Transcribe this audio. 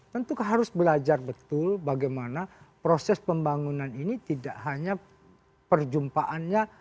tentu harus belajar betul bagaimana proses pembangunan ini tidak hanya perjumpaannya